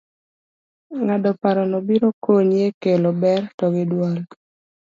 ng'ado parono biro konyi e kelo ber to gi duol